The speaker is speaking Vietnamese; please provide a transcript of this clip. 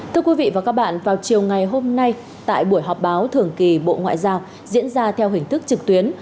thưa quý vị và các bạn vào chiều ngày hôm nay tại buổi họp báo thường kỳ bộ ngoại giao diễn ra theo hình thức trực tuyến